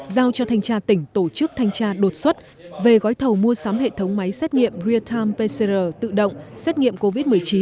giao cho thanh tra tỉnh tổ chức thanh tra đột xuất về gói thầu mua sắm hệ thống máy xét nghiệm real time pcr tự động xét nghiệm covid một mươi chín